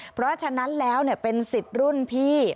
เพราะฉะนั้นแล้วเป็นสิทธิ์รุ่นพี่